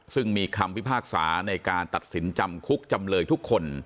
ซึ่งมีคำพิพากษาในการตัดสินจำคุกจำเลยทุกคน